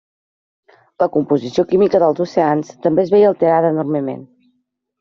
La composició química dels oceans també es veié alterada enormement.